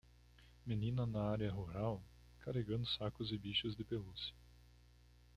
Menina na área rural? carregando sacos e bichos de pelúcia.